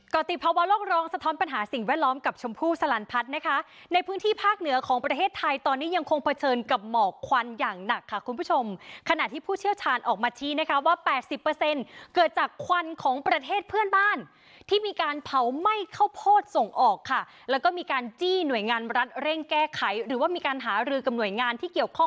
ติภาวะโลกร้องสะท้อนปัญหาสิ่งแวดล้อมกับชมพู่สลันพัฒน์นะคะในพื้นที่ภาคเหนือของประเทศไทยตอนนี้ยังคงเผชิญกับหมอกควันอย่างหนักค่ะคุณผู้ชมขณะที่ผู้เชี่ยวชาญออกมาชี้นะคะว่า๘๐เกิดจากควันของประเทศเพื่อนบ้านที่มีการเผาไหม้ข้าวโพดส่งออกค่ะแล้วก็มีการจี้หน่วยงานรัฐเร่งแก้ไขหรือว่ามีการหารือกับหน่วยงานที่เกี่ยวข้อง